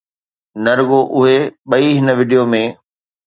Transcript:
نه رڳو اهي ٻئي هن وڊيو ۾